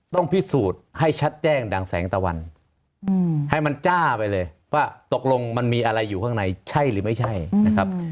ต้องพิสูจน์ให้ชัดแจ้งดังแสงตะวันให้มันจ้าไปเลยว่าตกลงมันมีอะไรอยู่ข้างในใช่หรือไม่ใช่นะครับ